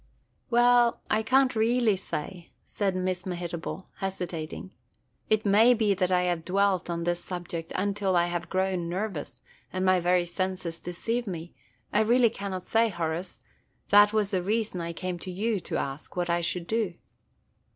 "Well, I can't really say," said Miss Mehitable, hesitating. "It may be that I have dwelt on this subject until I have grown nervous and my very senses deceive me. I really cannot say, Horace; that was the reason I came to you to ask what I should do."